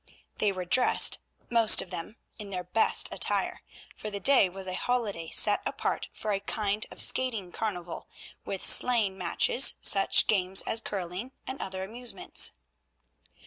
They were dressed, most of them, in their best attire, for the day was a holiday set apart for a kind of skating carnival, with sleighing matches, such games as curling, and other amusements.